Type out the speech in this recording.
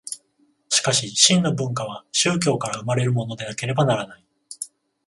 しかし真の文化は宗教から生まれるものでなければならない。